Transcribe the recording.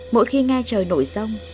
mỗi khi ngay trời nổi rông